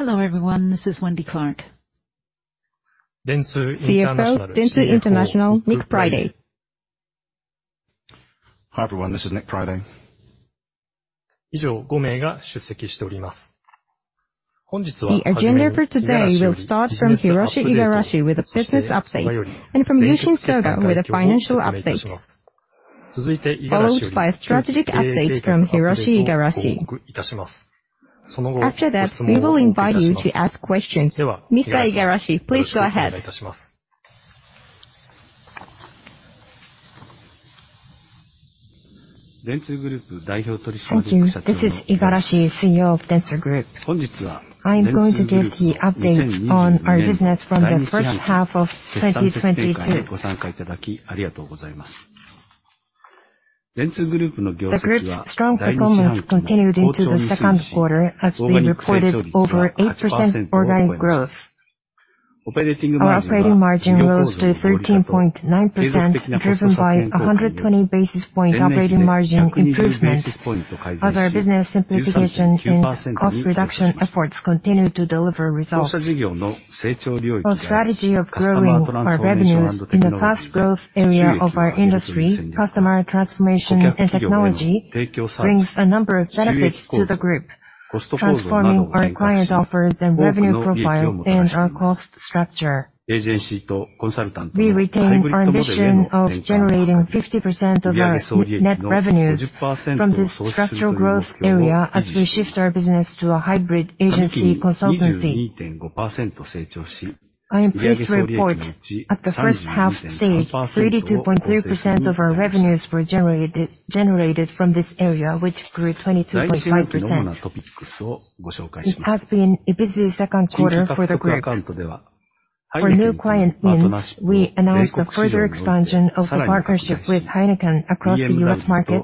Hello, everyone. This is Wendy Clark. Dentsu International CEO, Nick Priday. Hi, everyone. This is Nick Priday. The agenda for today, we'll start from Hiroshi Igarashi with a business update and from Yushin Soga with a financial update. Followed by strategic updates from Hiroshi Igarashi. After this, we will invite you to ask questions. Mr. Igarashi, please go ahead. Thank you. This is Igarashi, CEO of Dentsu Group. I'm going to give the update on our business from the first half of 2022. The group's strong performance continued into the second quarter as we reported over 8% organic growth. Our operating margin rose to 13.9%, driven by 120 basis point operating margin improvements as our business simplification and cost reduction efforts continue to deliver results. Our strategy of growing our revenues in the fast growth area of our industry, customer transformation and technology, brings a number of benefits to the group, transforming our client offers and revenue profile and our cost structure. We retain our ambition of generating 50% of our net revenues from this structural growth area as we shift our business to a hybrid agency consultancy. I am pleased to report at the first half stage, 32.3% of our revenues were generated from this area, which grew 22.5%. It has been a busy second quarter for the group. For new client wins, we announced a further expansion of our partnership with Heineken across the U.S. market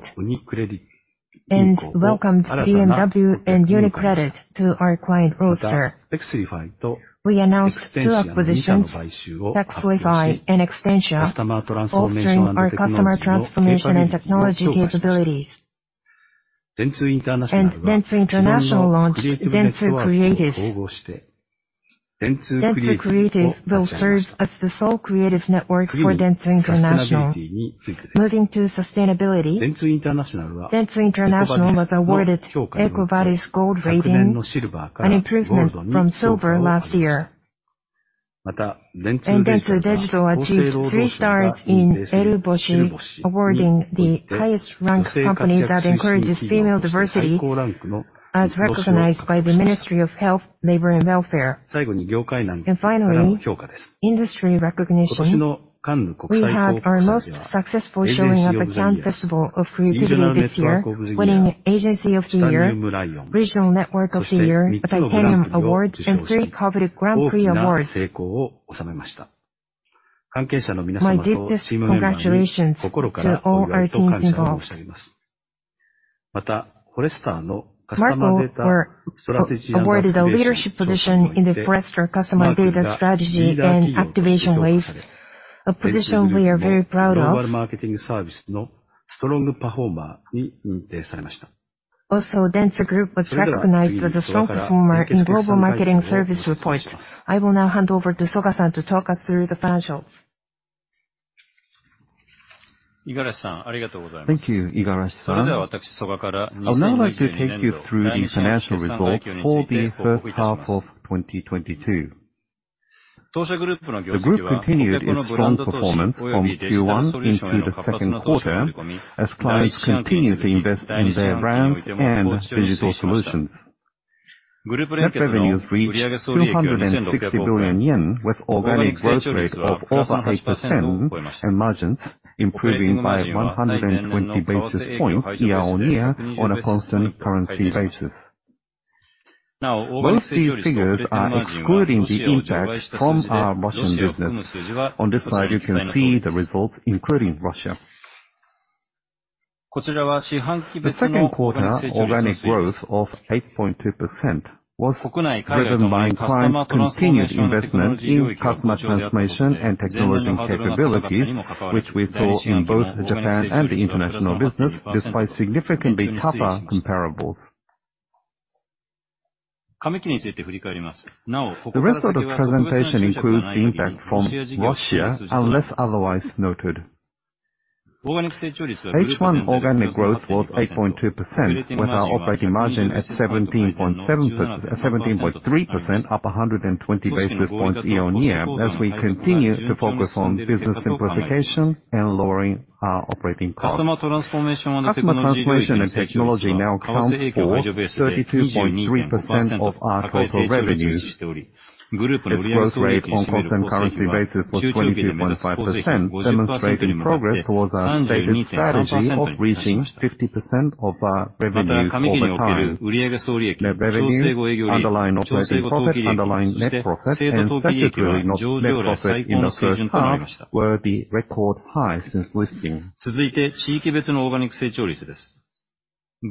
and welcomed BMW and UniCredit to our client roster. We announced two acquisitions, Pexlify and Extentia, bolstering our customer transformation and technology capabilities. Dentsu International launched Dentsu Creative. Dentsu Creative will serve as the sole creative network for Dentsu International. Moving to sustainability, Dentsu International was awarded EcoVadis gold rating, an improvement from silver last year. Dentsu Digital achieved three stars in ERUBOSHI, awarding the highest ranked company that encourages female diversity as recognized by the Ministry of Health, Labour and Welfare. Finally, industry recognition. We had our most successful showing at the Cannes Festival of Creativity this year, winning Agency of the Year, Regional Network of the Year, a Platinum Award and three coveted Grand Prix awards. My deepest congratulations to all our teams involved. Merkle awarded a leadership position in the Forrester Customer Data Strategy and Activation Wave, a position we are very proud of. Also, Dentsu Group was recognized as a strong performer in Global Marketing Services report. I will now hand over to Soga-san to talk us through the financials. Thank you, Igarashi-san. I would now like to take you through the financial results for the first half of 2022. The group continued its strong performance from Q1 into the second quarter as clients continue to invest in their brands and digital solutions. Net revenues reached 260 billion yen with organic growth rate of over 8% and margins improving by 120 basis points year-on-year on a constant currency basis. Both these figures are excluding the impact from our Russian business. On this slide, you can see the results including Russia. The second quarter organic growth of 8.2% was driven by clients' continued investment in customer transformation and technology capabilities, which we saw in both Japan and the international business, despite significantly tougher comparables. The rest of the presentation includes the impact from Russia, unless otherwise noted. H1 organic growth was 8.2%, with our operating margin at 17.7%—17.3%, up 120 basis points year-on-year, as we continue to focus on business simplification and lowering our operating costs. Customer Transformation and Technology now accounts for 32.3% of our total revenues. Its growth rate on constant currency basis was 22.5%, demonstrating progress towards our stated strategy of reaching 50% of our revenues over time. Net revenues, underlying operating profit, underlying net profit, and statutory net profit in the first half were the record high since listing.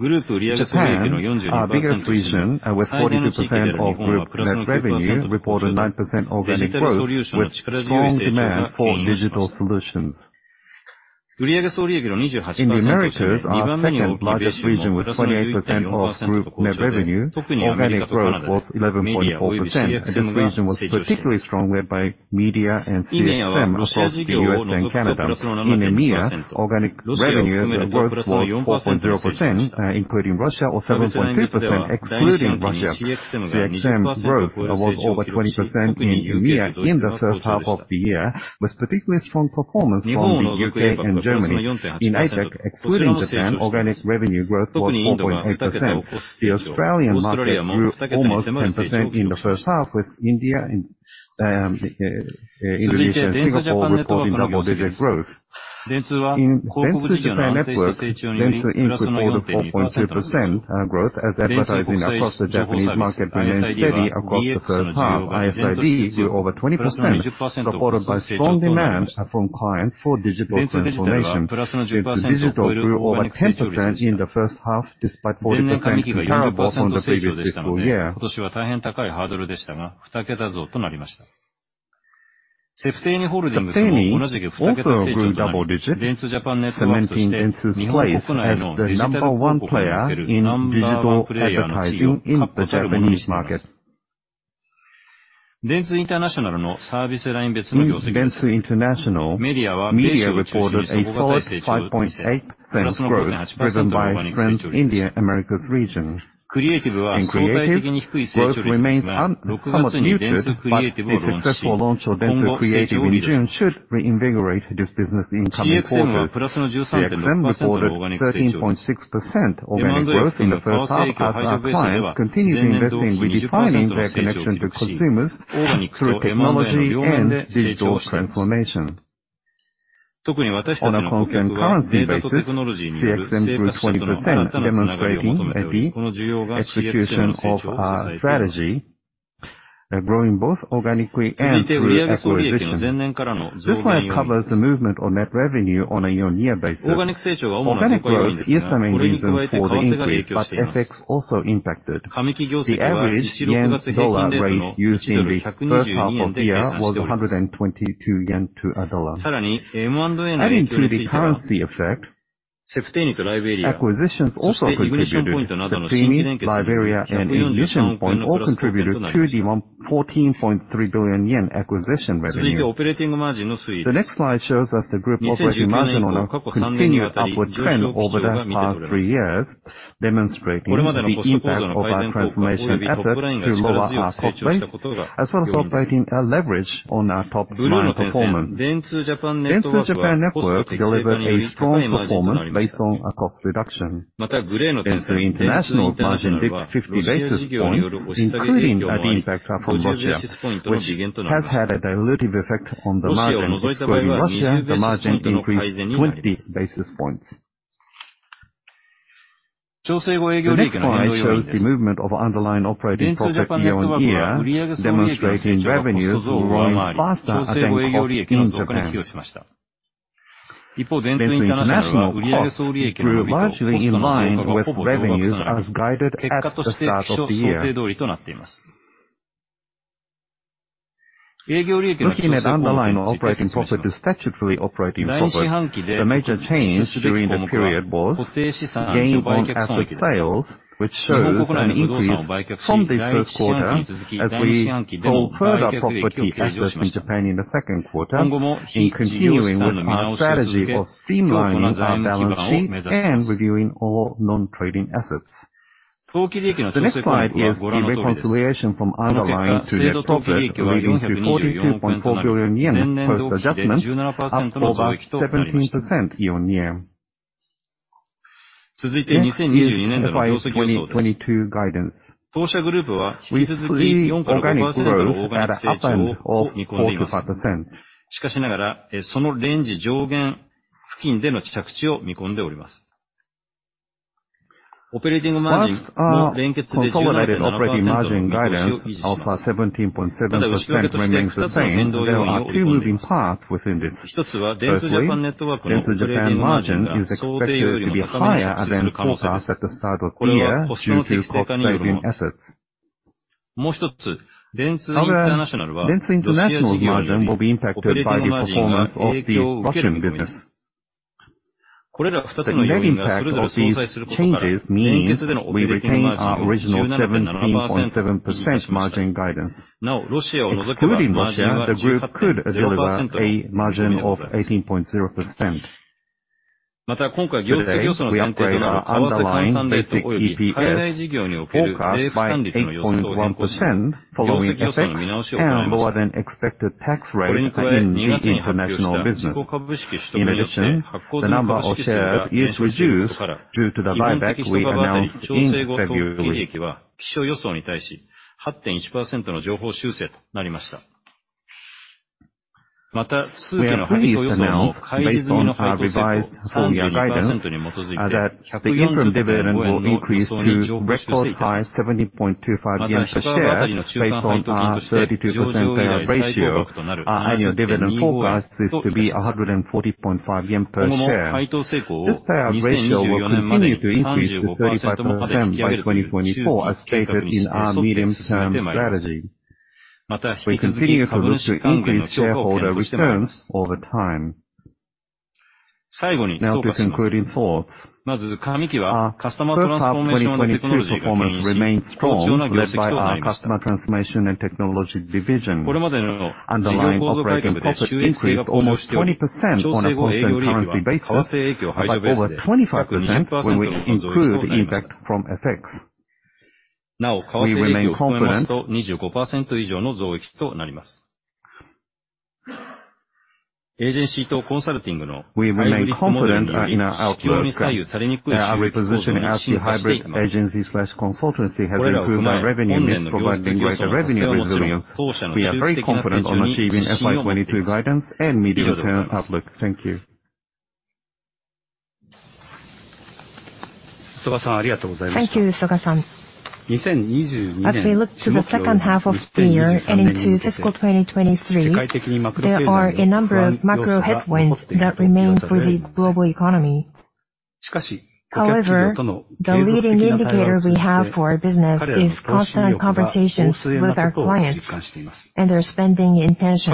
Japan, our biggest region, with 42% of group net revenue, reported 9% organic growth, with strong demand for digital solutions. In the Americas, our second largest region with 28% of group net revenue, organic growth was 11.4%. This region was particularly strong, led by media and CXM across the US and Canada. In EMEA, organic revenue growth was 4.0%, including Russia, or 7.6% excluding Russia. CXM growth was over 20% in EMEA in the first half of the year, with particularly strong performance from the UK and Germany. In APAC, excluding Japan, organic revenue growth was 4.8%. The Australian market grew almost 10% in the first half, with India and Indonesia and Singapore reporting double-digit growth. In Dentsu Japan Network, Dentsu Inc. reported 4.3% growth as advertising across the Japanese market remained steady across the first half. ISID grew over 20%, supported by strong demand from clients for digital transformation. Dentsu Digital grew over 10% in the first half, despite 40% comparable from the previous fiscal year. Septeni also grew double digits, cementing Dentsu's place as the number one player in digital advertising in the Japanese market. In Dentsu International, media reported a solid 5.8% growth driven by strength in India-Americas region. In creative, growth remains somewhat muted, but a successful launch of Dentsu Creative in June should reinvigorate this business in coming quarters. CXM reported 13.6% organic growth in the first half as our clients continue investing in redefining their connection to consumers through technology and digital transformation. On a constant currency basis, CXM grew 20%, demonstrating the execution of our strategy, growing both organically and through acquisitions. This slide covers the movement of net revenue on a year-on-year basis. Organic growth is the main reason for the increase, but FX also impacted. The average yen-dollar rate used in the first half of the year was 122 yen to a dollar. Adding to the currency effect, acquisitions also contributed. Septeni, LiveArea, and Ignition Point all contributed to the JPY 114.3 billion acquisition revenue. The next slide shows us the group operating margin on a continued upward trend over which shows an increase from the first quarter as we sold further property assets in Japan in the second quarter and continuing with the strategy of streamlining our balance sheet and reviewing all non-trading assets. The next slide is the reconciliation from underlying to net profit, leading to JPY 42.4 billion post-adjustment, up over 17% year-on-year. Next is FY2022 guidance. We see organic growth at upper end of 4-5%. First, our consolidated operating margin guidance of 17.7% remains the same, but there are two moving parts within this. Firstly, Dentsu Japan margin is expected to be higher than forecast at the start of the year due to cost-saving assets. However, Dentsu International's margin will be impacted by the performance of the Russian business. The net impact of these changes means we retain our original 17.7% margin guidance. Excluding Russia, the group could deliver a margin of 18.0%. Today, we upgrade our underlying basic EPS forecast by 8.1% following FX and lower-than-expected tax rate in the international business. In addition, the number of shares is reduced due to the buyback we announced in February. We have previously announced, based on our revised full-year guidance, that the interim dividend will increase to record high 70.25 yen per share based on our 32% payout ratio. Our annual dividend forecast is to be 140.5 yen per share. This payout ratio will continue to increase to 35% by 2024 as stated in our medium-term strategy. We continue to look to increase shareholder returns over time. Now to concluding thoughts. Our first half 2022 performance remained strong, led by our customer transformation and technology division. Underlying operating profit increased almost 20% on a constant currency basis, and by over 25% when we exclude impact from FX. We remain confident in our outlook. Our repositioning as a hybrid agency/consultancy has improved our revenue mix, providing greater revenue resilience. We are very confident on achieving FY 2022 guidance and meeting the public. Thank you. Thank you, Soga-san. As we look to the second half of the year and into fiscal 2023, there are a number of macro headwinds that remain for the global economy. However, the leading indicator we have for our business is constant conversations with our clients and their spending intentions.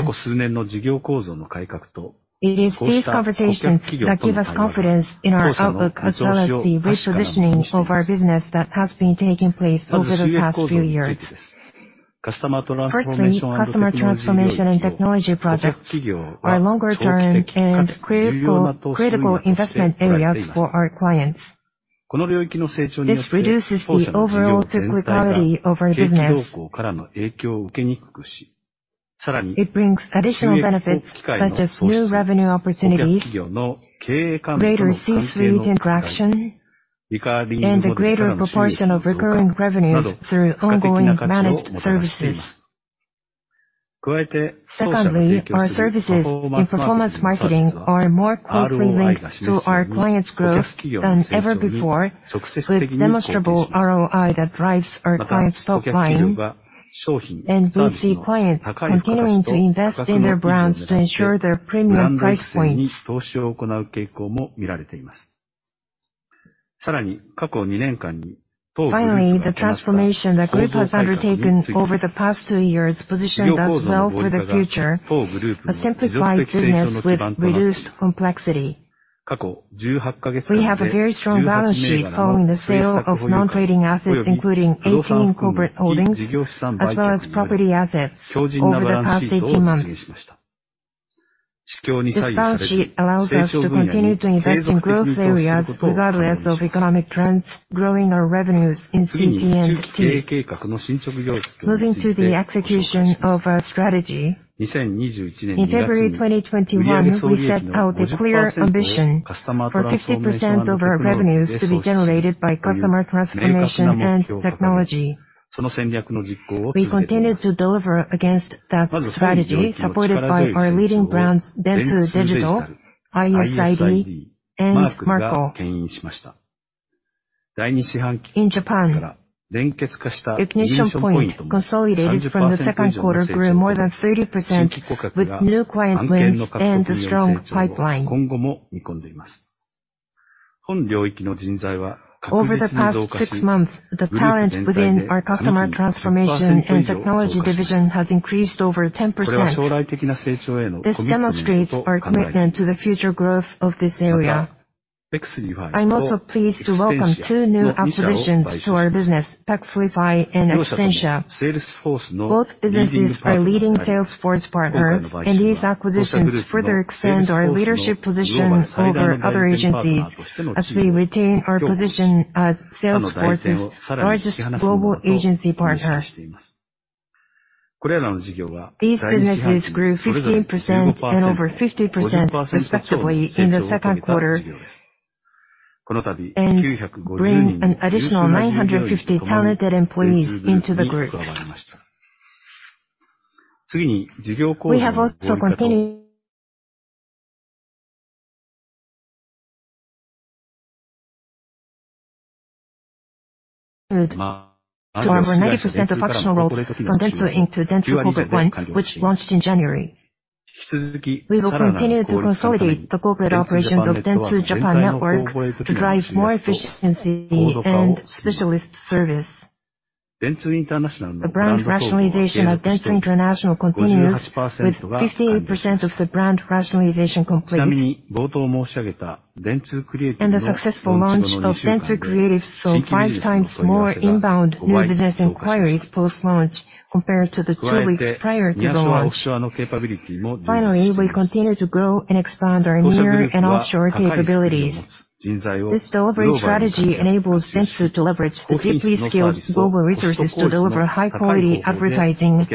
It is these conversations that give us confidence in our outlook, as well as the repositioning of our business that has been taking place over the past few years. Firstly, customer transformation and technology projects are longer-term and critical investment areas for our clients. This reduces the overall cyclicality of our business. It brings additional benefits, such as new revenue opportunities, greater C-suite interaction, and a greater proportion of recurring revenues through ongoing managed services. Secondly, our services in performance marketing are more closely linked to our clients' growth than ever before, with demonstrable ROI that drives our clients' top line. We see clients beginning to invest in their brands to ensure their premium price points. Finally, the transformation that Group has undertaken over the past 2 years positions us well for the future, a simplified business with reduced complexity. We have a very strong balance sheet following the sale of non-trading assets, including 18 corporate holdings as well as property assets over the past 18 months. This balance sheet allows us to continue to invest in growth areas regardless of economic trends, growing our revenues in CT&T. Moving to the execution of our strategy, in February 2021, we set out a clear ambition for 50% of our revenues to be generated by customer transformation and technology. We continue to deliver against that strategy supported by our leading brands, Dentsu Digital, ISID, and Merkle. In Japan, Ignition Point consolidated from the second quarter grew more than 30% with new client wins and a strong pipeline. Over the past 6 months, the talent within our customer transformation and technology division has increased over 10%. This demonstrates our commitment to the future growth of this area. I'm also pleased to welcome 2 new acquisitions to our business, Pexlify and Extentia. Both businesses are leading Salesforce partners, and these acquisitions further extend our leadership position over other agencies as we retain our position as Salesforce's largest global agency partner. These businesses grew 15% and over 50% respectively in the second quarter. Bring an additional 950 talented employees into the group. We have also continued to consolidate our corporate operations. We have moved over 90% of functional roles from Dentsu Inc. to Dentsu Corporate One, which launched in January. We will continue to consolidate the corporate operations of Dentsu Japan Network to drive more efficiency and specialist service. The brand rationalization of Dentsu International continues, with 58% of the brand rationalization complete. The successful launch of Dentsu Creative saw 5 times more inbound new business inquiries post-launch compared to the 2 weeks prior to launch. Finally, we continue to grow and expand our near and offshore capabilities. This delivery strategy enables Dentsu to leverage deeply skilled global resources to deliver high-quality advertising,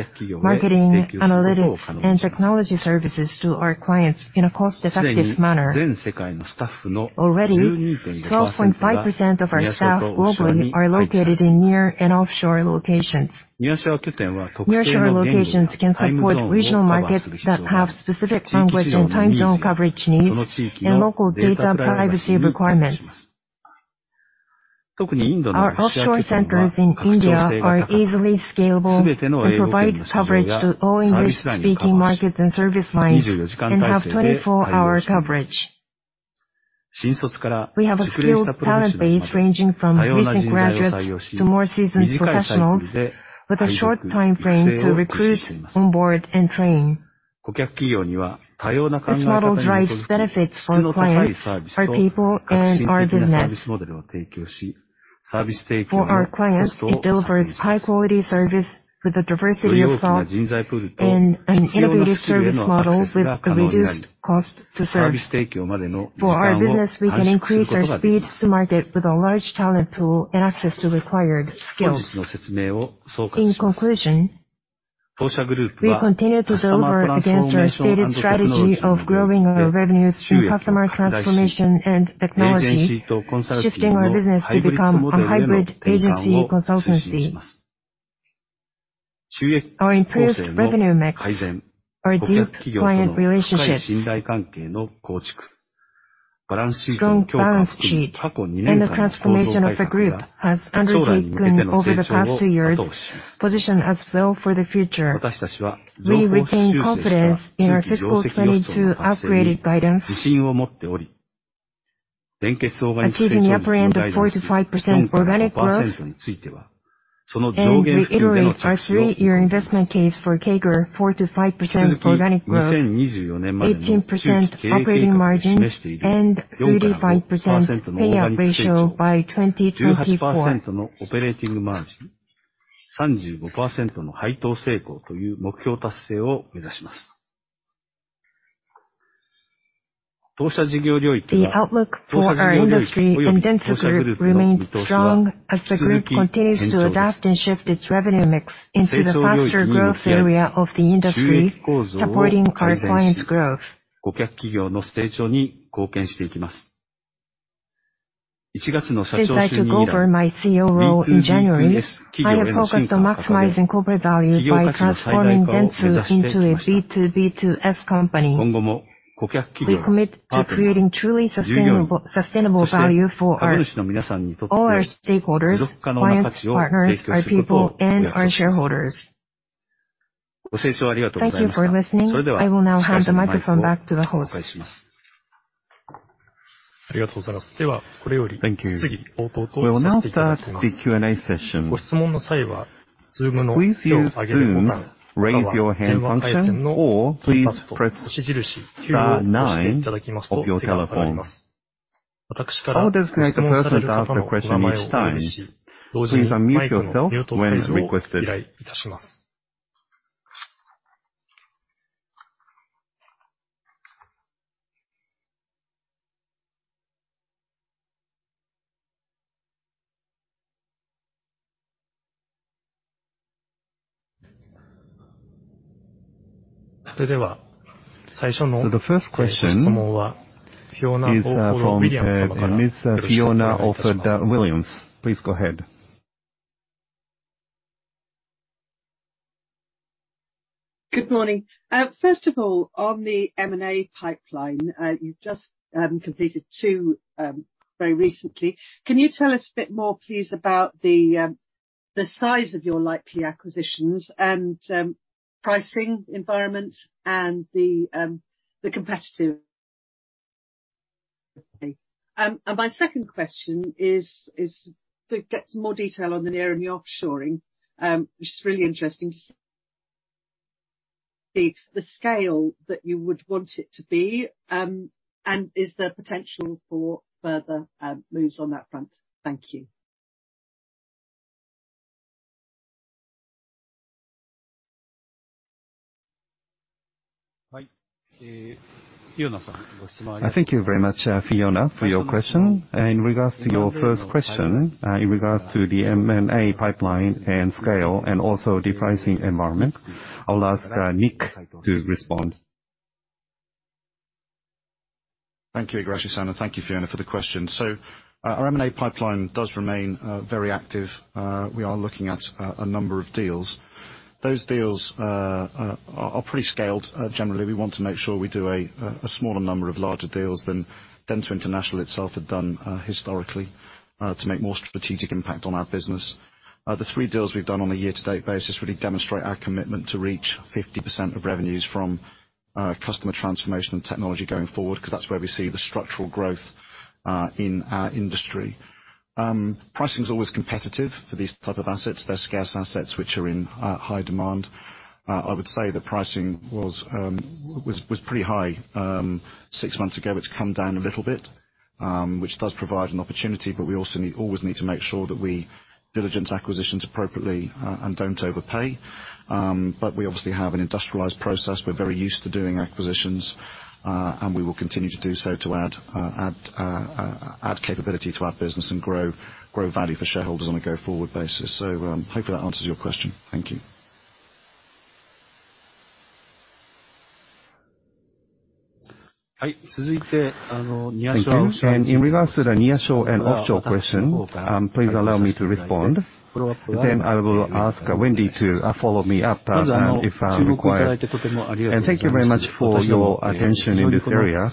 marketing, analytics, and technology services to our clients in a cost-effective manner. Already, 12.5% of our staff globally are located in near and offshore locations. Nearshore locations can support regional markets that have specific language and time zone coverage needs and local data privacy requirements. Our offshore centers in India are easily scalable and provide coverage to all English-speaking markets and service lines, and have 24-hour coverage. We have a skilled talent base ranging from recent graduates to more seasoned professionals with a short time frame to recruit, onboard, and train. This model drives benefits for our clients, our people, and our business. For our clients, it delivers high-quality service with a diversity of thought and an innovative service model with a reduced cost to serve. For our business, we can increase our speeds to market with a large talent pool and access to required skills. In conclusion, we continue to deliver against our stated strategy of growing our revenues through customer transformation and technology, shifting our business to become a hybrid agency consultancy. Our increased revenue mix, our deep client relationships, strong balance sheet, and the transformation of the group has undertaken over the past two years position us well for the future. We retain confidence in our fiscal 2022 upgraded guidance. Achieving upper end of 4%-5% organic growth and reiterating our three-year investment case for CAGR 4%-5% organic growth, 18% operating margin, and 35% payout ratio by 2024. The outlook for our industry and Dentsu Group remained strong as the group continues to adapt and shift its revenue mix into the faster growth area of the industry, supporting our clients' growth. Since I took over my CEO role in January, I have focused on maximizing corporate value by transforming Dentsu into a B2B2S company. We commit to creating truly sustainable value for all our stakeholders, clients, partners, our people, and our shareholders. Thank you for listening. I will now hand the microphone back to the host. Thank you. We will now start the Q&A session. Please use Zoom's Raise Your Hand function, or please press 9 of your telephone. I'll designate the person to ask the question each time. Please unmute yourself when requested. The first question is from Ms. Fiona Orford-Williams. Please go ahead. Good morning. First of all, on the M&A pipeline, you just completed 2 very recently. Can you tell us a bit more, please, about the size of your likely acquisitions and pricing environment and the competitive, and my second question is to get some more detail on the nearshoring and the offshoring, which is really interesting, the scale that you would want it to be, and is there potential for further moves on that front? Thank you. I thank you very much, Fiona, for your question. In regards to your first question, the M&A pipeline and scale and also the pricing environment, I'll ask, Nick to respond. Thank you, Higashi-san, and thank you, Fiona, for the question. Our M&A pipeline does remain very active. We are looking at a number of deals. Those deals are pretty scaled. Generally, we want to make sure we do a smaller number of larger deals than Dentsu International itself had done historically to make more strategic impact on our business. The three deals we've done on a year to date basis really demonstrate our commitment to reach 50% of revenues from customer transformation and technology going forward, 'cause that's where we see the structural growth in our industry. Pricing is always competitive for these type of assets. They're scarce assets which are in high demand. I would say the pricing was pretty high six months ago. It's come down a little bit, which does provide an opportunity, but we also always need to make sure that we diligence acquisitions appropriately, and don't overpay. We obviously have an industrialized process. We're very used to doing acquisitions, and we will continue to do so to add capability to our business and grow value for shareholders on a go-forward basis. Hopefully that answers your question. Thank you. Thank you. In regards to the nearshore and offshore question, please allow me to respond. I will ask Wendy to follow me up, if required. Thank you very much for your attention in this area.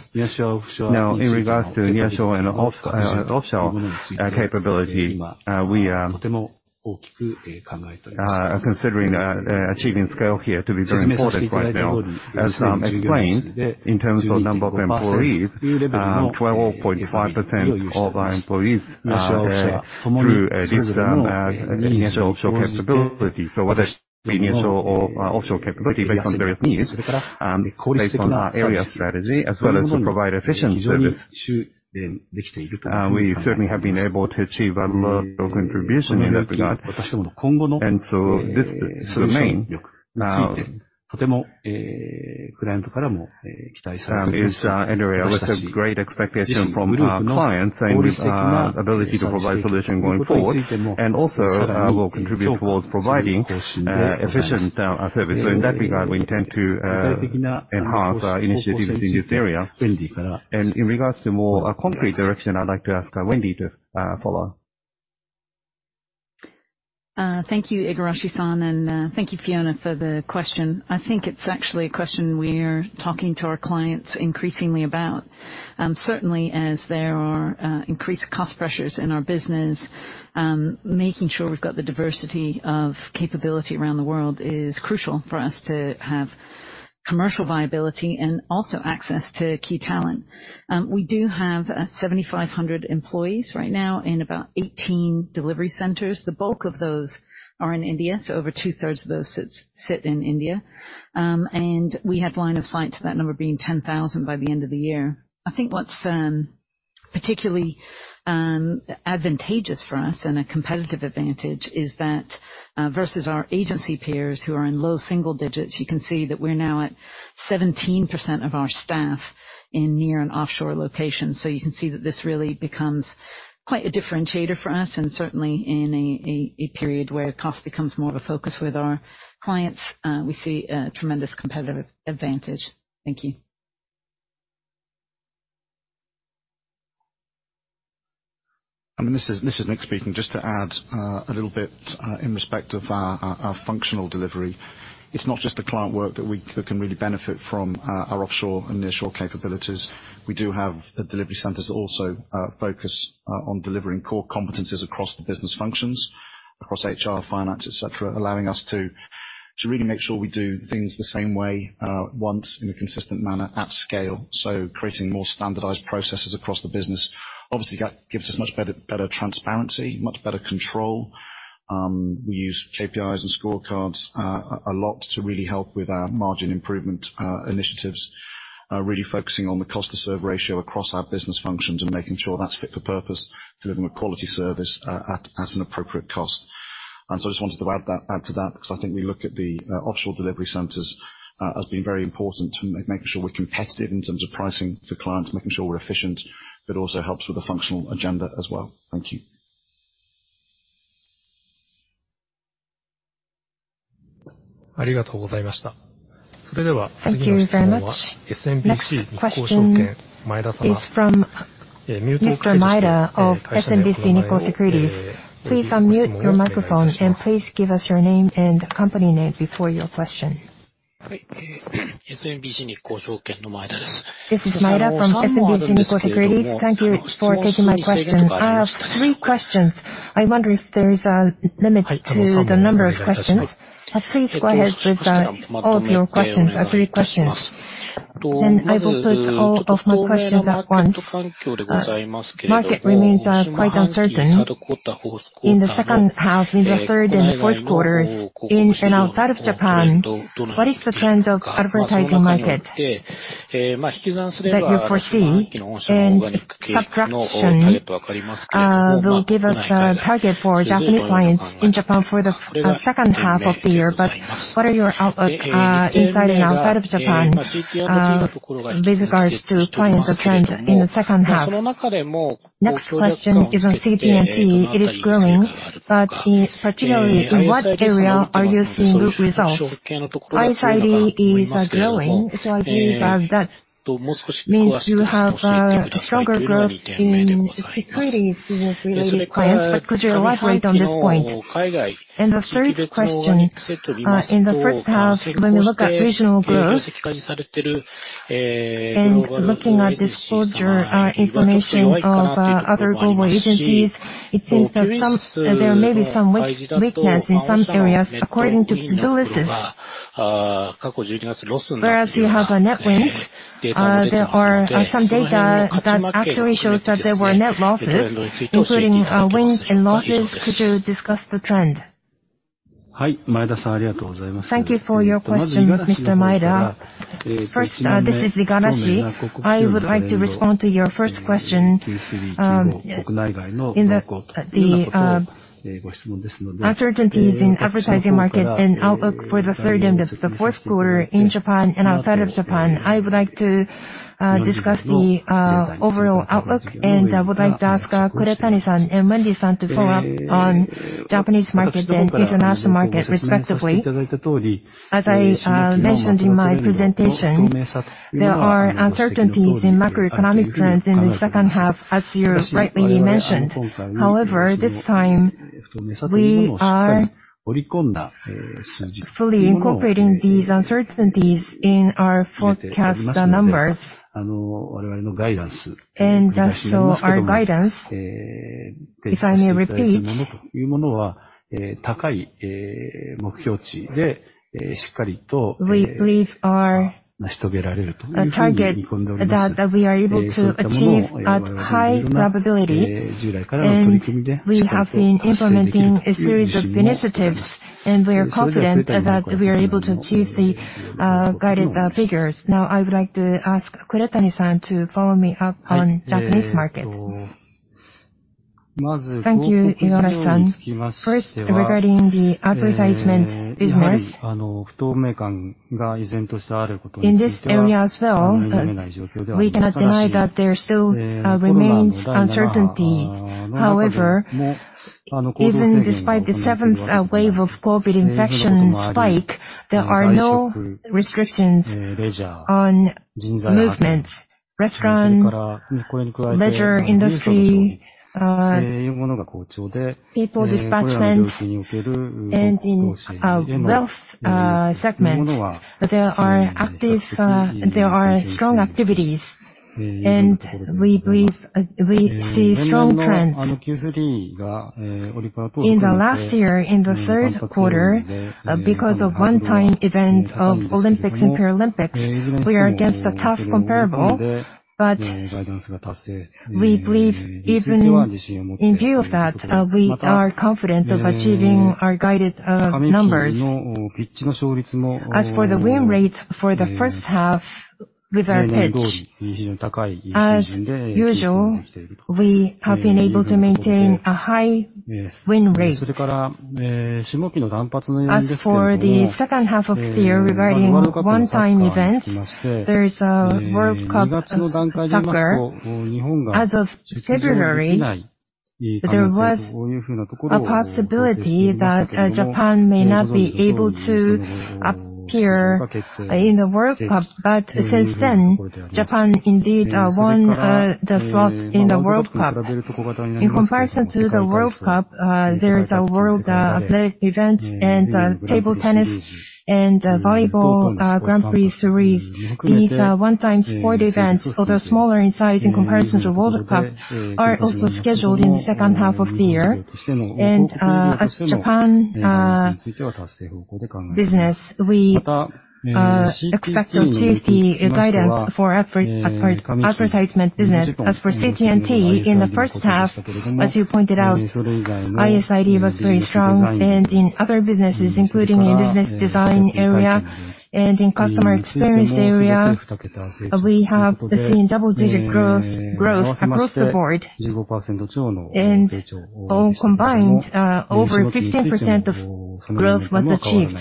Now, in regards to nearshore and offshore capability, we are considering achieving scale here to be very important right now. As explained, in terms of number of employees, 12.5% of our employees are there through this nearshore, offshore capability. Whether it be nearshore or offshore capability based on various needs, based on our area strategy, as well as to provide efficient service. We certainly have been able to achieve a lot of contribution in that regard. This is the main. An area with a great expectation from our clients and with ability to provide solution going forward, also will contribute towards providing efficient service. In that regard, we intend to enhance our initiatives in this area. In regards to more concrete direction, I'd like to ask Wendy to follow. Thank you, Igarashi-san, and thank you, Fiona, for the question. I think it's actually a question we're talking to our clients increasingly about. Certainly as there are increased cost pressures in our business, making sure we've got the diversity of capability around the world is crucial for us to have commercial viability and also access to key talent. We do have 7,500 employees right now in about 18 delivery centers. The bulk of those are in India, so over two-thirds of those sit in India. We have line of sight to that number being 10,000 by the end of the year. I think what's particularly advantageous for us and a competitive advantage is that, versus our agency peers who are in low single digits, you can see that we're now at 17% of our staff in near and offshore locations. You can see that this really becomes quite a differentiator for us, and certainly in a period where cost becomes more of a focus with our clients, we see a tremendous competitive advantage. Thank you. This is Nick speaking. Just to add a little bit in respect of our functional delivery. It's not just the client work that we can really benefit from our offshore and nearshore capabilities. We do have delivery centers that also focus on delivering core competencies across the business functions, across HR, finance, et cetera, allowing us to really make sure we do things the same way in a consistent manner at scale. Creating more standardized processes across the business. Obviously, that gives us much better transparency, much better control. We use KPIs and scorecards a lot to really help with our margin improvement initiatives. Really focusing on the cost to serve ratio across our business functions and making sure that's fit for purpose, delivering a quality service at an appropriate cost. I just wanted to add to that, because I think we look at the offshore delivery centers as being very important to making sure we're competitive in terms of pricing for clients, making sure we're efficient. It also helps with the functional agenda as well. Thank you. Thank you very much. Next question is from Mr. Maeda-saof SMBC Nikko Securities. Please unmute your microphone and please give us your name and company name before your question. This is Maeda from SMBC Nikko Securities. Thank you for taking my question. I have three questions. I wonder if there is a limit to the number of questions. Please go ahead with all of your questions, three questions. I will put all of my questions at once. Market remains quite uncertain in the second half into third and fourth quarters in and outside of Japan. What is the trend of advertising market that you foresee? And Dentsu will give us a target for Japanese clients in Japan for the second half of the year. But what are your outlook inside and outside of Japan with regards to clients trend in the second half? Next question is on CT&T. It is growing, but particularly in what area are you seeing good results? ISID is growing. ISID, that means you have a stronger growth in securities with clients. Could you elaborate on this point? The third question, in the first half, when we look at regional growth and looking at disclosure information of other global agencies, it seems that there may be some weakness in some areas according to the analysts. Whereas you have a net wins, there are some data that actually shows that there were net losses, including wins and losses. Could you discuss the trend? Thank you for your question, Mr. Maeda. This is Igarashi. I would like to respond to your first question in the uncertainties in advertising market and outlook for the third and the fourth quarter in Japan and outside of Japan. I would like to discuss the overall outlook, and I would like to ask Kuretani-san and Wendy-san to follow up on Japanese market then international market respectively. As I mentioned in my presentation, there are uncertainties in macroeconomic trends in the second half, as you rightly mentioned. However, this time, we are fully incorporating these uncertainties in our forecast numbers. As such, our guidance, if I may repeat, we believe our target that we are able to achieve at high probability. We have been implementing a series of initiatives, and we are confident that we are able to achieve the guided figures. Now I would like to ask Kuretani-san to follow up on Japanese market. Thank you, Igarashi-san. First, regarding the advertising business. In this area as well, we cannot deny that there still remains uncertainties. However, even despite the seventh wave of COVID infection spike, there are no restrictions on movements, restaurants, leisure industry, people dispatches and in wealth segments. There are strong activities and we believe we see strong trends. In the last year, in the third quarter, because of one-time event of Olympics and Paralympics, we are against a tough comparable. We believe even in view of that, we are confident of achieving our guided numbers. As for the win rates for the first half with our pitch, as usual, we have been able to maintain a high win rate. As for the second half of the year regarding one-time events, there is a World Cup soccer. As of February, there was a possibility that Japan may not be able to appear in the World Cup. Since then, Japan indeed won the slot in the World Cup. In comparison to the World Cup, there is a world athletic event and table tennis and volleyball Grand Prix series. These one-time sport events, although smaller in size in comparison to World Cup, are also scheduled in the second half of the year. As Japan business, we expect to achieve the guidance for advertisement business. As for CT&T in the first half, as you pointed out, ISID was very strong. In other businesses, including in business design area and in customer experience area, we have seen double-digit growth across the board. All combined, over 15% growth was achieved.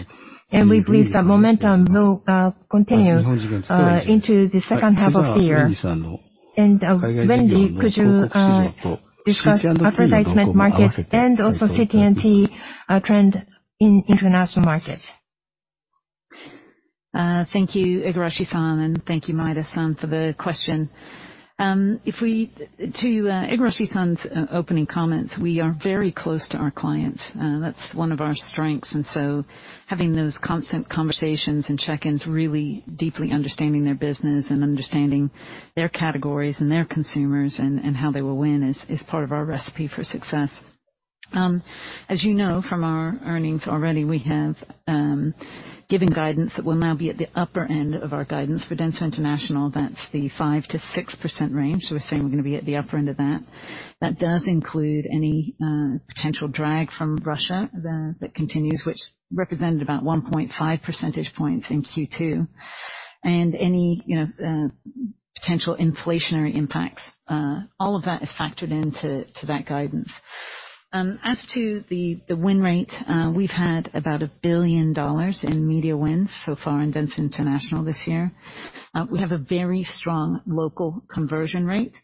We believe that momentum will continue into the second half of the year. Wendy, could you discuss advertising market and also CT&T trend in international markets? Thank you, Igarashi-san, and thank you, Maeda-san, for the question. To Igarashi-san's opening comments, we are very close to our clients. That's one of our strengths. Having those constant conversations and check-ins, really deeply understanding their business and understanding their categories and their consumers and how they will win is part of our recipe for success. As you know from our earnings already, we have given guidance that we'll now be at the upper end of our guidance. For Dentsu International, that's the 5%-6% range. We're saying we're gonna be at the upper end of that. That does include any potential drag from Russia that continues, which represented about 1.5 percentage points in Q2. Any, you know, potential inflationary impacts, all of that is factored into that guidance. As to the win rate, we've had about $1 billion in media wins so far in Dentsu International this year. We have a very strong local conversion rate.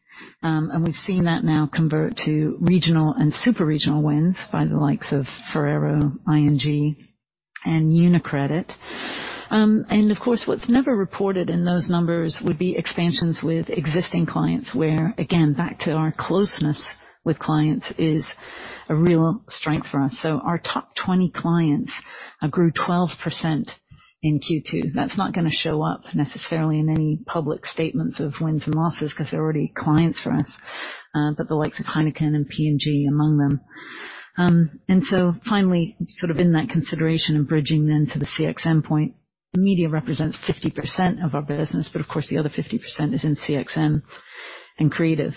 We've seen that now convert to regional and super-regional wins by the likes of Ferrero, ING, and UniCredit. Of course, what's never reported in those numbers would be expansions with existing clients, where, again, back to our closeness with clients is a real strength for us. Our top 20 clients grew 12% in Q2. That's not gonna show up necessarily in any public statements of wins and losses, 'cause they're already clients for us. The likes of Heineken and P&G among them. Finally, sort of in that consideration and bridging then to the CXM point, the media represents 50% of our business, but of course the other 50% is in CXM and creative.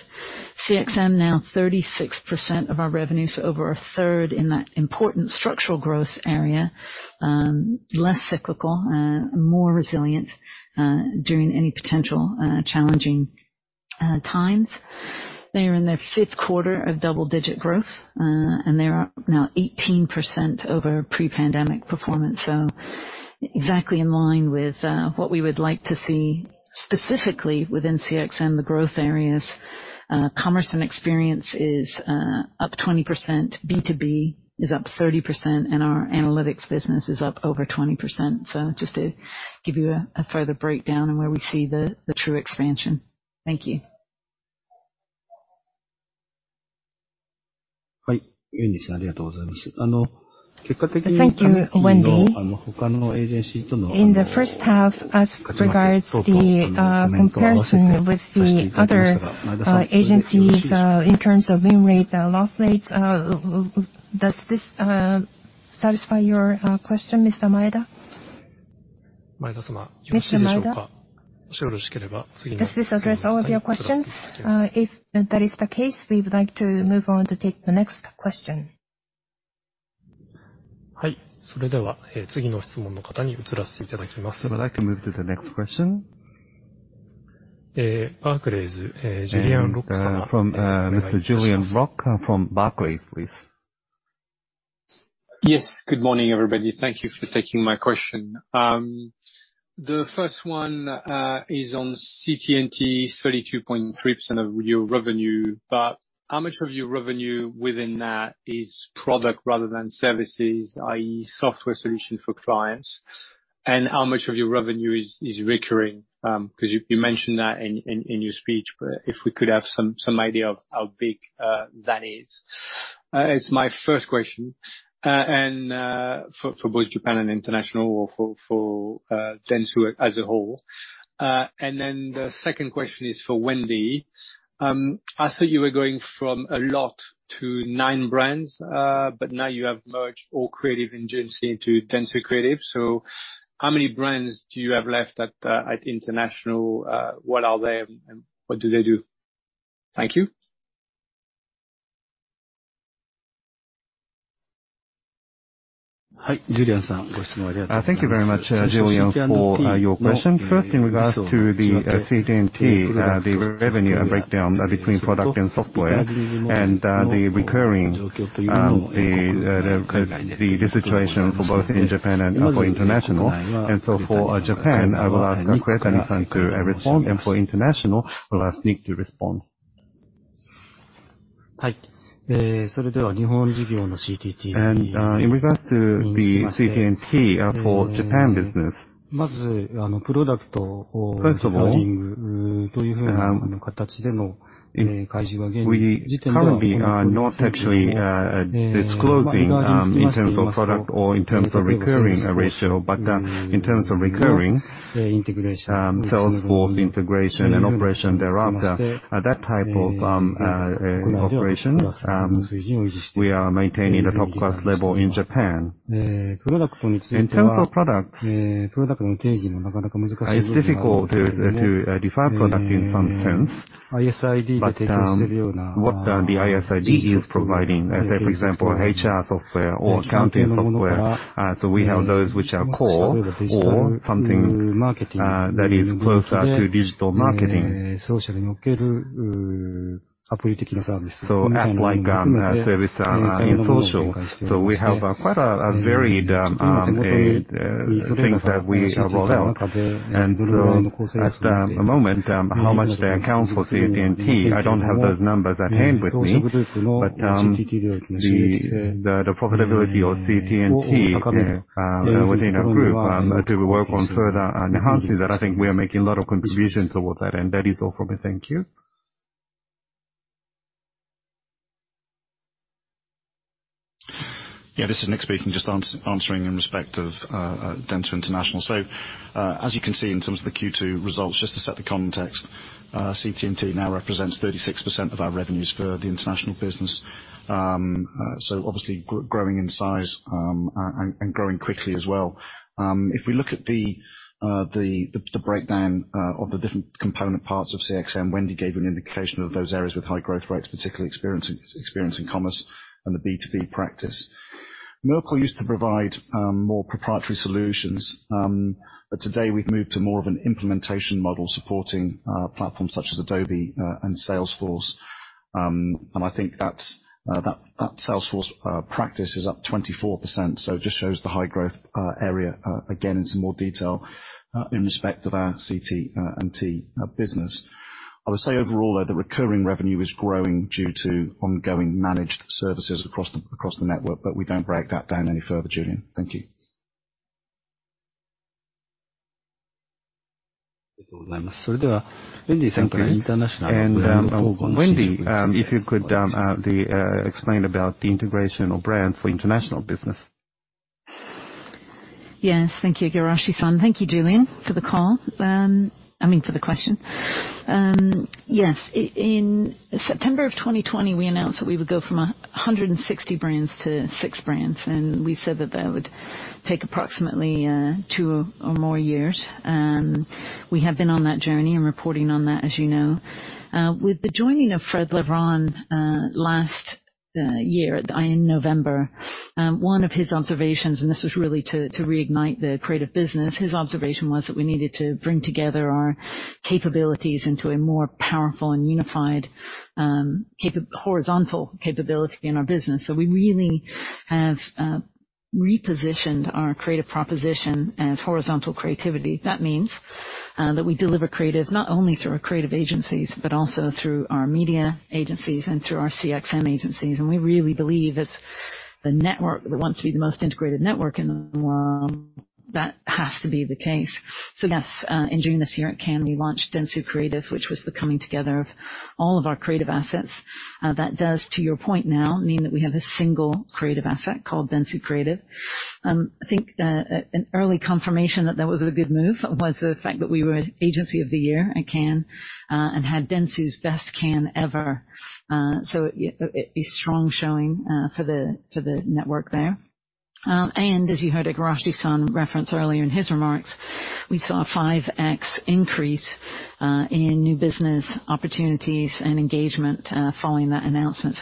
CXM now 36% of our revenue, so over a third in that important structural growth area, less cyclical, more resilient, during any potential challenging times. They are in their fifth quarter of double-digit growth, and they are now 18% over pre-pandemic performance. Exactly in line with what we would like to see specifically within CXM, the growth areas. Commerce and experience is up 20%, B2B is up 30%, and our analytics business is up over 20%. Just to give you a further breakdown on where we see the true expansion. Thank you. Thank you, Wendy. In the first half, as regards the comparison with the other agencies, in terms of win rate, loss rates, does this satisfy your question, Mr. Maeda? Mr. Maeda, does this answer all of your questions? If that is the case, we would like to move on to take the next question. I'd like to move to the next question. From Mr. Julien Roch from Barclays, please. Yes. Good morning, everybody. Thank you for taking my question. The first one is on CT&T, 32.3% of your revenue, but how much of your revenue within that is product rather than services, i.e., software solution for clients? How much of your revenue is recurring? 'Cause you mentioned that in your speech, but if we could have some idea of how big that is. It's my first question. For both Japan and International or for Dentsu as a whole. The second question is for Wendy. I thought you were going from a lot to 9 brands, but now you have merged all creative agencies into Dentsu Creative. So how many brands do you have left at International? What are they and what do they do? Thank you. Thank you very much, Julien, for your question. First, in regards to the CT&T, the revenue breakdown between product and software and the recurring situation for both in Japan and for International. For Japan, I will ask Kureta-san to respond. For International, I will ask Nick to respond. In regards to the CT&T, for Japan business, first of all, if we currently are not actually disclosing in terms of product or in terms of recurring ratio, but in terms of recurring, Salesforce integration and operation thereafter, at that type of operation, we are maintaining a top class level in Japan. In terms of products, it's difficult to define product in some sense. What the ISID is providing, say for example, HR software or accounting software. We have those which are core or something that is closer to digital marketing. App like service in social. We have quite a varied things that we roll out. At the moment, how much that accounts for CT&T, I don't have those numbers at hand with me. The profitability of CT&T within our group to work on further enhancing that, I think we are making a lot of contribution towards that. That is all from me. Thank you. Yeah. This is Nick speaking, just answering in respect of Dentsu International. As you can see in terms of the Q2 results, just to set the context, CT&T now represents 36% of our revenues for the international business. Obviously growing in size, and growing quickly as well. If we look at the breakdown of the different component parts of CXM, Wendy gave an indication of those areas with high growth rates, particularly experience in commerce and the B2B practice. Merkle used to provide more proprietary solutions. But today we've moved to more of an implementation model supporting platforms such as Adobe and Salesforce. And I think that Salesforce practice is up 24%. It just shows the high growth area again in some more detail in respect of our CT&T business. I would say overall, though, the recurring revenue is growing due to ongoing managed services across the network, but we don't break that down any further, Julien. Thank you. Thank you. Wendy, if you could explain about the integration of brands for international business. Yes. Thank you, Igarashi-san. Thank you, Julien, for the call. I mean, for the question. Yes. In September of 2020, we announced that we would go from 160 brands to six brands, and we said that that would take approximately 2 or more years. We have been on that journey and reporting on that, as you know. With the joining of Fred Levron last year in November, one of his observations, and this was really to reignite the creative business. His observation was that we needed to bring together our capabilities into a more powerful and unified horizontal capability in our business. We really have repositioned our creative proposition as horizontal creativity. That means, that we deliver creative not only through our creative agencies, but also through our media agencies and through our CXM agencies. We really believe as the network that wants to be the most integrated network in the world, that has to be the case. Yes, in June this year at Cannes, we launched Dentsu Creative, which was the coming together of all of our creative assets. That does, to your point now, mean that we have a single creative asset called Dentsu Creative. I think, an early confirmation that that was a good move was the fact that we were Agency of the Year at Cannes, and had Dentsu's best Cannes ever. A strong showing for the network there. As you heard Igarashi-san reference earlier in his remarks, we saw 5x increase in new business opportunities and engagement following that announcement.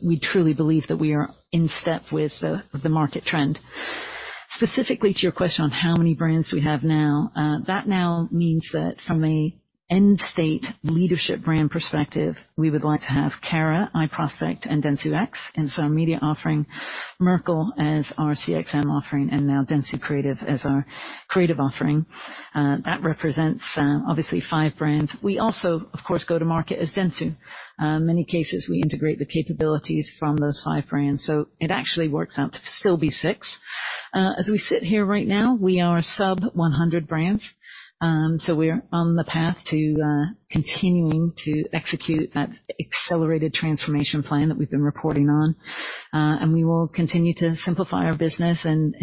We truly believe that we are in step with the market trend. Specifically to your question on how many brands we have now, that now means that from an end-state leadership brand perspective, we would like to have Carat, iProspect, and dentsu X. Our media offering, Merkle as our CXM offering, and now Dentsu Creative as our creative offering. That represents obviously 5 brands. We also, of course, go to market as Dentsu. In many cases, we integrate the capabilities from those 5 brands, so it actually works out to still be six. As we sit here right now, we are a sub-100 brands. We're on the path to continuing to execute that accelerated transformation plan that we've been reporting on. We will continue to simplify our business and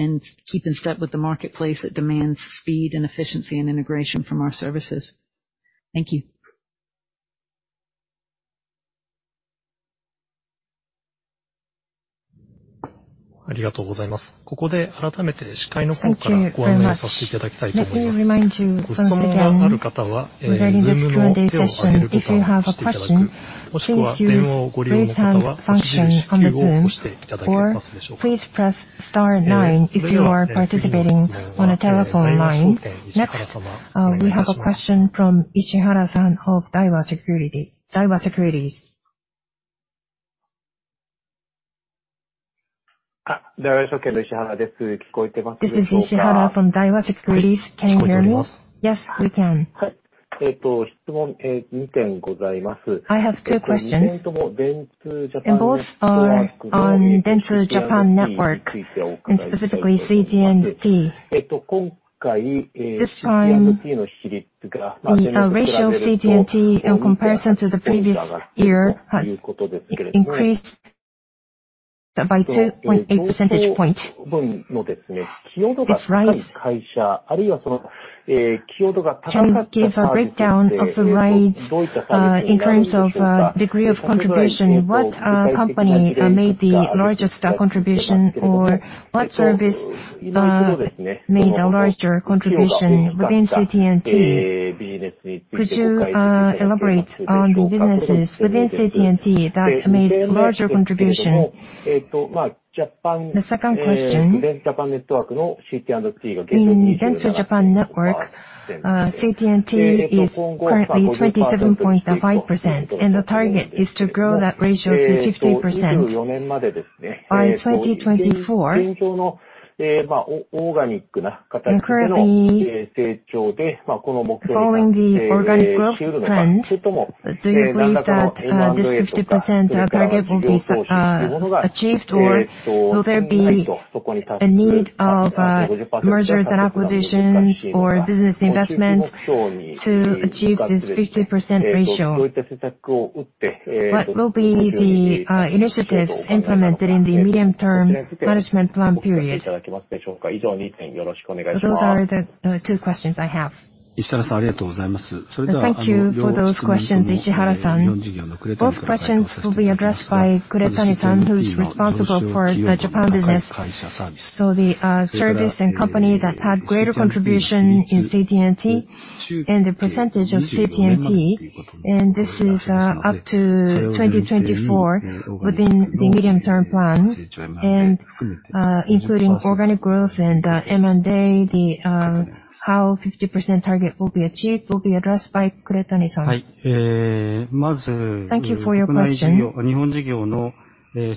keep in step with the marketplace that demands speed and efficiency and integration from our services. Thank you. Thank you very much. Let me remind you once again regarding this Q&A session, if you have a question, please use raise hand function on the Zoom, or please press star nine if you are participating on a telephone line. Next, we have a question from Ishihara-san of Daiwa Securities. This is Ishihara from Daiwa Securities. Can you hear me? Yes, we can. I have two questions, and both are on Dentsu Japan Network and specifically CT&T. This time, the ratio CT&T in comparison to the previous year has increased by 2.8 percentage point. All right, can you give a breakdown of that, in terms of degree of contribution? What company made the largest contribution, or what service made a larger contribution within CT&T? Could you elaborate on the businesses within CT&T that made larger contribution? The second question, in Dentsu Japan Network, CT&T is currently 27.5%, and the target is to grow that ratio to 50% by 2024. Currently, following the organic growth plan, do you believe that this 50% target will be achieved? Or will there be a need of mergers and acquisitions or business investment to achieve this 50% ratio? What will be the initiatives implemented in the medium-term management plan period? Those are the two questions I have. Thank you for those questions, Ishihara-san. Both questions will be addressed by Kuretani-san, who's responsible for the Japan business. The service and company that had greater contribution in CT&T and the percentage of CT&T, and this is up to 2024 within the medium-term plan and including organic growth and M&A. The how 50% target will be achieved will be addressed by Kuretani-san. Thank you for your question. The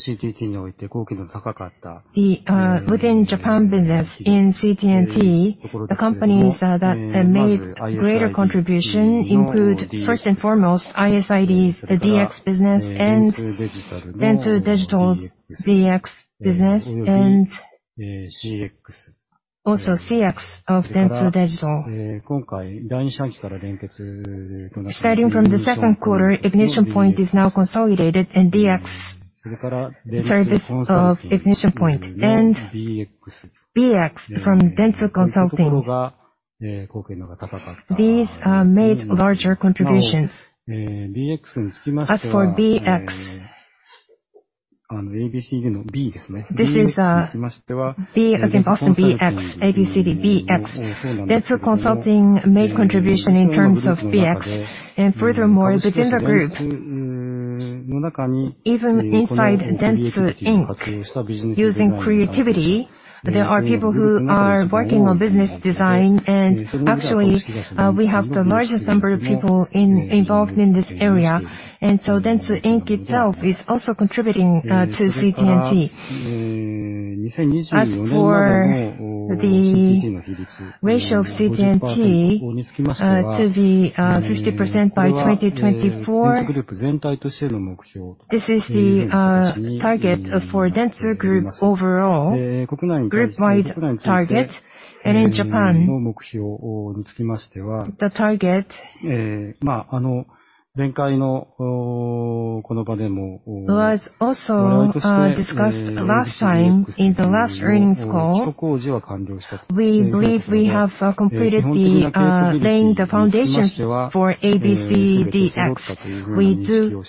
within Japan business in CT&T, the companies that made greater contribution include first and foremost ISID, the DX business, and Dentsu Digital's DX business, and also CX of Dentsu Digital. Starting from the second quarter, Ignition Point is now consolidated in DX. Service of Ignition Point and BX from Dentsu Consulting. These made larger contributions. As for BX, this is B as in Boston, BX. ABCD, BX. Dentsu Consulting made contribution in terms of BX and furthermore within the group. Even inside Dentsu Inc., using creativity, there are people who are working on business design, and actually, we have the largest number of people involved in this area. Dentsu Inc. itself is also contributing to CT&T. As for the ratio of CT&T to be 50% by 2024, this is the target for Dentsu Group overall, group-wide target. In Japan, the target was also discussed last time in the last earnings call. We believe we have completed laying the foundations for ABCDX. We do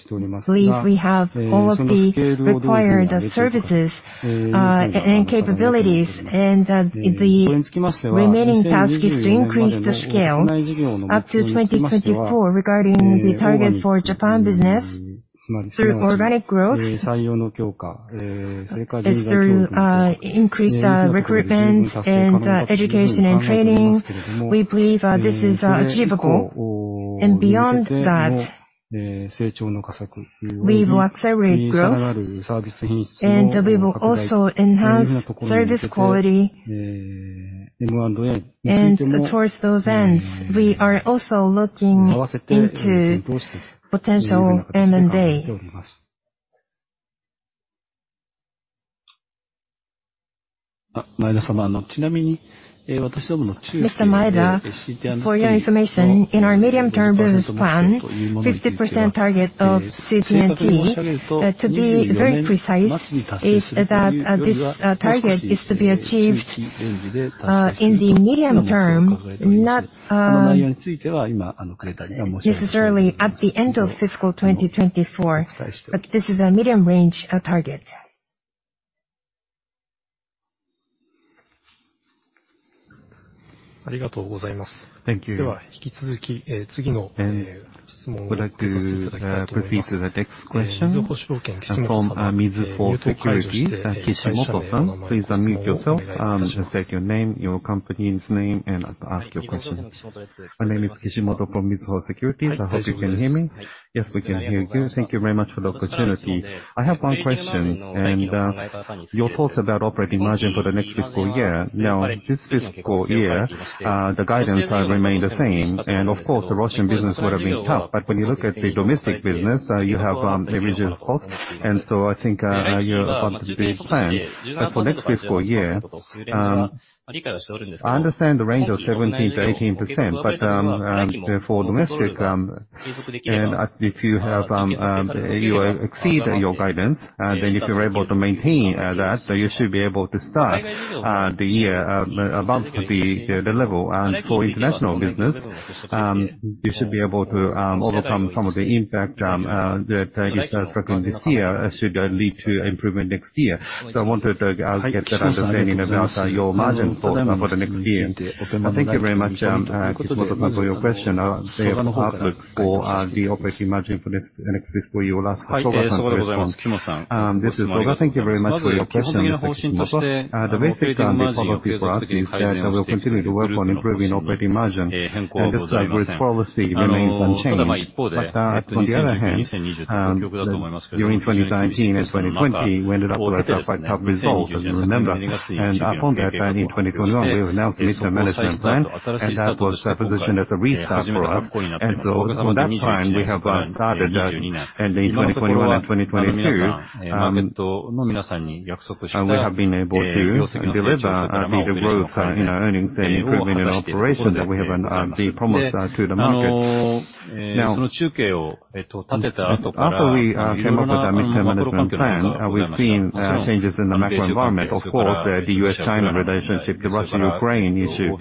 believe we have all of the required services and capabilities. The remaining task is to increase the scale up to 2024 regarding the target for Japan business through organic growth and through increased recruitment and education and training. We believe this is achievable. Beyond that, we will accelerate growth, and we will also enhance service quality. Towards those ends, we are also looking into potential M&A. Mr. Maeda-san, for your information, in our medium-term business plan, 50% target of CT&T, to be very precise, is that this target is to be achieved in the medium term, not necessarily at the end of fiscal 2024. This is a medium-term target. Thank you. We'd like to proceed to the next question from Mizuho Securities, Kishimoto-san. Please unmute yourself, state your name, your company's name, and ask your question. My name is Kishimoto from Mizuho Securities. I hope you can hear me. Yes, we can hear you. Thank you very much for the opportunity. I have one question, and your thoughts about operating margin for the next fiscal year. Now, this fiscal year, the guidance remained the same. Of course, the Russian business would have been tough, but when you look at the domestic business, you have reduced costs. I think, you're about to do as planned. For next fiscal year, I understand the range of 17%-18%. For domestic, and if you exceed your guidance, then if you're able to maintain that, you should be able to start the year above the level. For international business, you should be able to overcome some of the impact that is striking this year, should lead to improvement next year. I wanted to get that understanding about your margin thoughts for the next year. Thank you very much, Kishimoto San, for your question. The outlook for the operating margin for next fiscal year. I'll ask Soga-san to respond. This is Soga. Thank you very much for your question, Kishimoto. The basic policy for us is that we'll continue to work on improving operating margin, and this group policy remains unchanged. On the other hand, during 2019 and 2020, we ended up with a quite tough result, as you remember. Upon that, in 2021, we announced the mid-term management plan, and that was the position as a restart for us. From that time, we have started, and in 2021 and 2022, we have been able to deliver neither growth, you know, earnings and improvement in operations that we promised to the market. Now, after we came up with that mid-term management plan, we've seen changes in the macro environment. Of course, the US-China relationship, the Russia-Ukraine issue,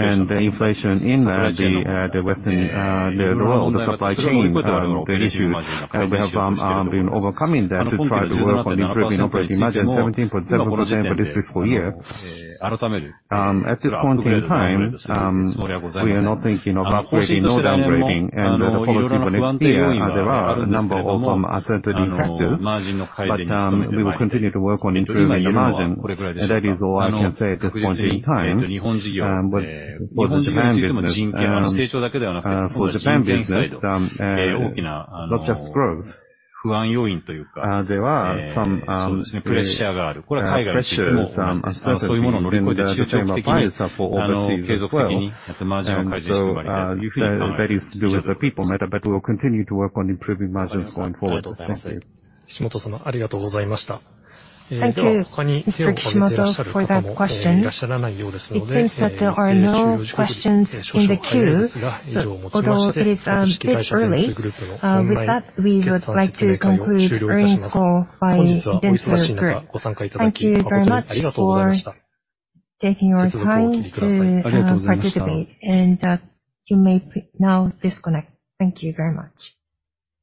and the inflation in the Western world, the supply chain issues. We have been overcoming that to try to work on improving operating margin, 17.7% for this fiscal year. At this point in time, we are not thinking of upgrading nor downgrading. The policy for next year, there are a number of uncertainty factors, but we will continue to work on improving the margin. That is all I can say at this point in time. For Japan business, not just growth. There are some pressures, uncertainty. The same applies for overseas as well. We feel that that is still a people matter, but we will continue to work on improving margins going forward. Thank you. Thank you, Mr. Kishimoto, for that question. It seems that there are no questions in the queue, so although it is a bit early, with that, we would like to conclude the earnings call by Dentsu Group. Thank you very much for taking your time to participate, and you may now disconnect. Thank you very much.